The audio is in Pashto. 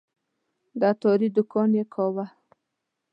د عطاري دوکان یې کاوه.